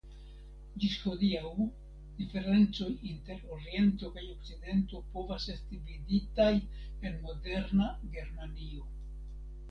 Ĝis hodiaŭ diferencoj inter Oriento kaj Okcidento povas esti viditaj en moderna Germanio.